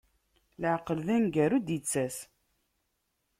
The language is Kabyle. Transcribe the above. Laɛqel, d aneggaru i d-ittas.